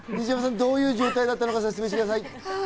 どういう状態だったか説明してください。